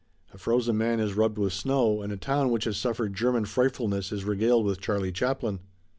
A frozen man is rubbed with snow and a town which has suffered German frightfulness is regaled with Charlie Chaplin.